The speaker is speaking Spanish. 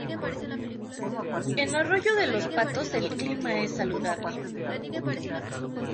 En Arroyo de los Patos el clima es saludable.